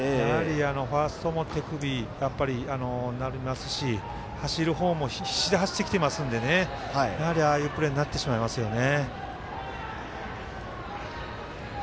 ファーストも手首当たりますし走る方も必死で走ってきてますのでやはり、ああいうプレーになってしまいますよね。